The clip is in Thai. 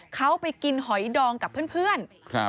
เขาไปกินหอยดองกับเพื่อน